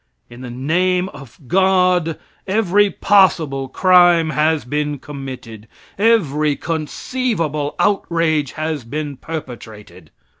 In the name of God every possible crime has been committed, every conceivable outrage has been perpetrated.